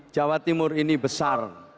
jawa timur ini besar